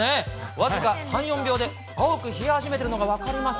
僅か３、４秒で、青く冷え始めているのが分かります。